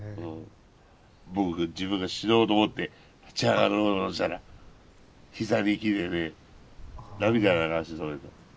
僕が自分が死のうと思って立ち上がろうとしたら膝に来てね涙流して止めた。